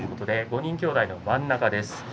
５人きょうだいの真ん中です。